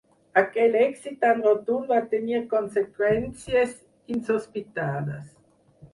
Aquell èxit tan rotund va tenir conseqüències insospitades.